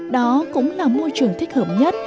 đó cũng là môi trường thích hợp nhất